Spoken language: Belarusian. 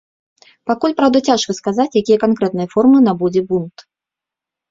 Пакуль, праўда, цяжка сказаць, якія канкрэтныя формы набудзе бунт.